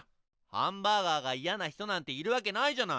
ハンバーガーが嫌な人なんているわけないじゃない。